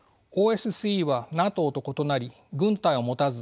ＯＳＣＥはＮＡＴＯと異なり軍隊を持たず